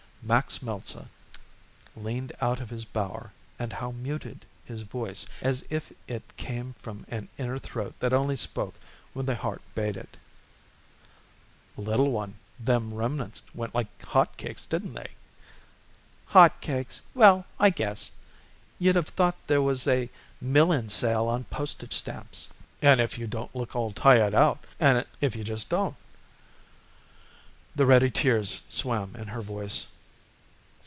Max Meltzer leaned out of his bower, and how muted his voice, as if it came from an inner throat that only spoke when the heart bade it. "Little one, them remnants went like hot cakes, didn't they?" "Hot cakes! Well, I guess. You'd have thought there was a mill end sale on postage stamps." "And if you don't look all tired out! If you just don't!" The ready tears swam in her voice.